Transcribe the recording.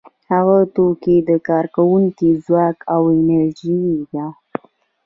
هغه توکي د کارکوونکو ځواک او انرژي ده